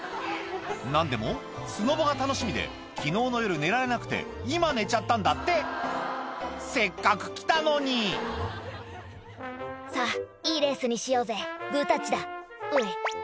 何でもスノボが楽しみで昨日の夜寝られなくて今寝ちゃったんだってせっかく来たのに「さぁいいレースにしようぜグタッチだおい」